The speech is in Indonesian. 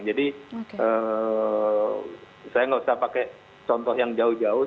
jadi saya tidak usah pakai contoh yang jauh jauh